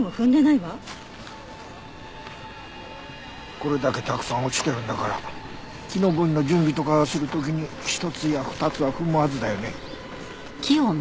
これだけたくさん落ちてるんだから木登りの準備とかする時に一つや二つは踏むはずだよね。